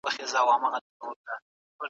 کور زده کړه له ښوونځي ښه ده.